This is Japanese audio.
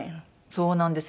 そうなんです。